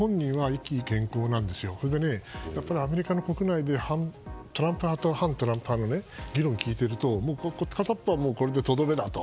それでアメリカの国内でトランプ派と反トランプ派の議論を聞いていると片方は、これでとどめだと。